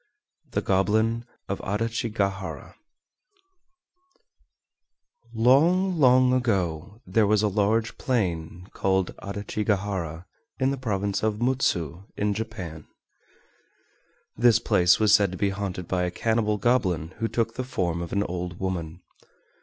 THE GOBLIN OF ADACHIGAHARA Long, long ago there was a large plain called Adachigahara, in the province of Mutsu in Japan. This place was said to be haunted by a cannibal goblin who took the form of an old woman.